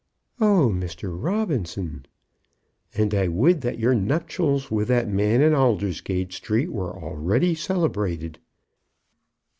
"Oh, Mr. Robinson!" "And I would that your nuptials with that man in Aldersgate Street were already celebrated."